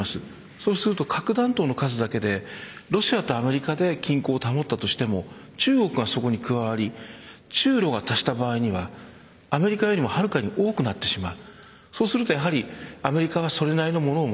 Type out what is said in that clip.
そうすると、核弾頭の数だけでロシアとアメリカで均衡を保ったとしても中国がそこに加わり中ロを足した場合にはアメリカよりもはるかに多くなってしまう。